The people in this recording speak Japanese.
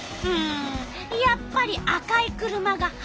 やっぱり赤い車が速い。